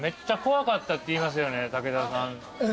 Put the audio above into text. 武田さん。